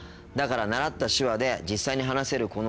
だから習った手話で実際に話せる